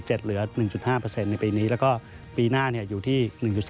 เหลือ๑๕ในปีนี้แล้วก็ปีหน้าอยู่ที่๑๔